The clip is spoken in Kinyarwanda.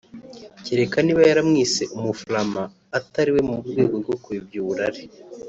keretse niba yaramwise umuflamand atari we mu rwego rwo kuyobya uburari